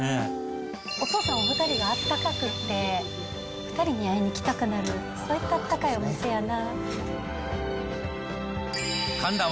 お父さんお２人が温かくて、２人に会いに来たくなる、そういったあったかいお店やな。